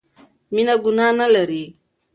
مينه ګناه نه لري